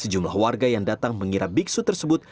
sejumlah warga yang datang mengira biksu tersebut